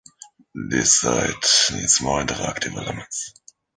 This site needs more interactive elements.